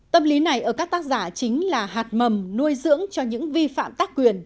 tâm lý này ở các tác giả chính là hạt mầm nuôi dưỡng cho những vi phạm tác quyền